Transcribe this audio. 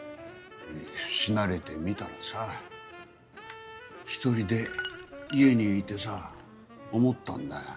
死なれてみたらさ一人で家にいてさ思ったんだよ。